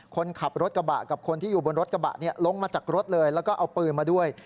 คนขับโลรถกระบะกับคนอยู่ตรงนี้ล้งมาจากก็ปืนมาด้วย